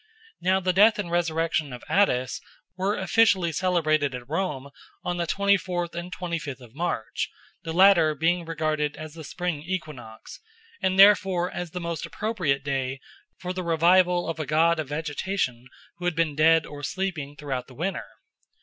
Now the death and resurrection of Attis were officially celebrated at Rome on the twenty fourth and twenty fifth of March, the latter being regarded as the spring equinox, and therefore as the most appropriate day for the revival of a god of vegetation who had been dead or sleeping throughout the winter.